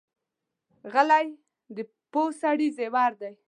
غلی، د پوه سړي زیور دی.